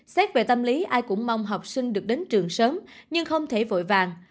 xét về tâm lý ai cũng mong học sinh được đến trường sớm nhưng không thể vội vàng